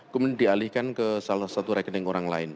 kemudian dialihkan ke salah satu rekening orang lain